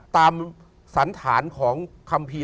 ตามสันฐานของคำพี